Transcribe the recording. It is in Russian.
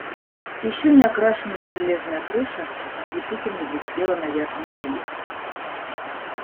Еще не окрашенная железная крыша ослепительно блестела на ярком солнце.